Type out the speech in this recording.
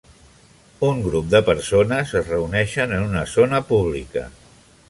Un grup de persones es reuneixen en una zona pública.